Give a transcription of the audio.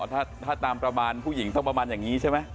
ถ้าตามประมาณผู้หญิงต้องประมาณอย่างนี้ใช่ไหม